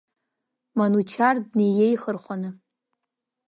Манучар днаиеихырхәаны.